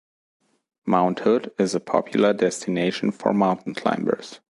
Mount Hood is a popular destination for mountain climbers.